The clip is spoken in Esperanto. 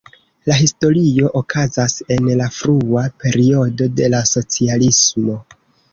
La historio okazas en la frua periodo de la socialismo.